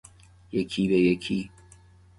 یکی به یکی